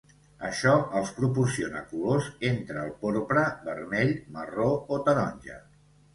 Això els proporciona colors entre el porpra, vermell, marró o taronja.